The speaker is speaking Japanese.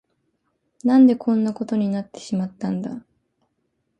何でこんなことになってしまったんだ。